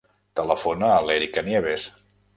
Telefona a l'Erica Nieves.